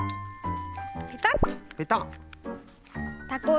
ペタッと。